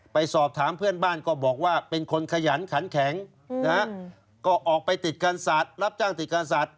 ไปสอบถามเพื่อนบ้านก็บอกว่าเป็นคนขยันขันแข็งนะฮะก็ออกไปติดกันสัตว์รับจ้างติดกันสัตว